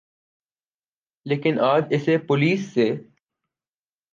لیکن اج اسے پولیس سے